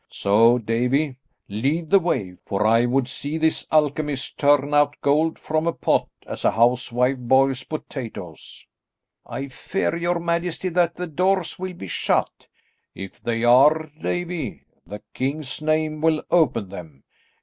So, Davie, lead the way, for I would see this alchemist turn out gold from a pot as a housewife boils potatoes." "I fear, your majesty, that the doors will be shut." "If they are, Davie, the king's name will open them.